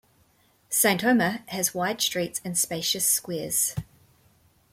Saint-Omer has wide streets and spacious squares.